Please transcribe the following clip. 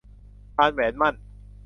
พานแหวนหมั้น